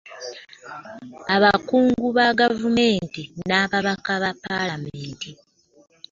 Abakungu bagavumenti n'ababaka ba palamenti